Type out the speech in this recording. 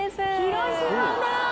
広島だ。